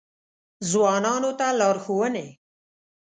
ځوانانو ته لارښوونې: